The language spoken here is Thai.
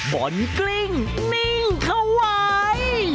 บ่นกลิ้งนิ่งเข้าไว้